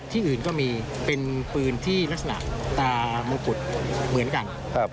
อื่นก็มีเป็นปืนที่ลักษณะตามงกุฎเหมือนกัน